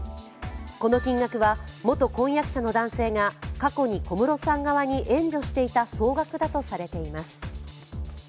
この金額は元婚約者の男性が過去に、小室さん側に援助していた総額だとされています。